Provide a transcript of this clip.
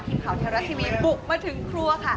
ทีมข่าวเทวรัฐทีวีบุกมาถึงครัวค่ะ